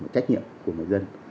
trách nhiệm của người dân